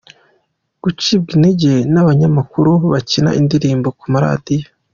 Gucibwa intege n’abanyamakuru bakina indirimbo kumaradiyo.